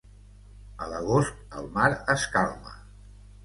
A l'agost, el mar es calma.